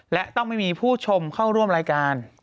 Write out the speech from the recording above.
และต้องไม่มีผู้ชมเข้าร่วมรายการ